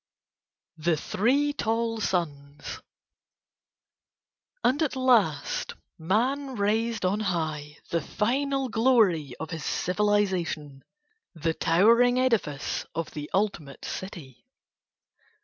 THE THREE TALL SONS And at last Man raised on high the final glory of his civilization, the towering edifice of the ultimate city.